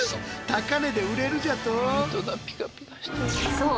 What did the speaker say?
そう！